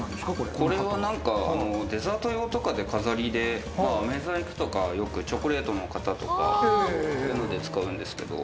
これはデザート用とかで飾りで飴細工とかチョコレートの型とかで使うんですけど。